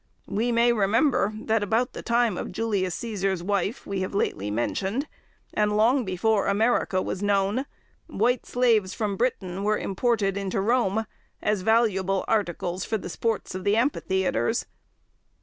We may remember that about the time of Julius Cæsar's wife, we have lately mentioned, and long before America was known, white slaves from Britain were imported into Rome, as valuable articles for the sports of the amphitheatres.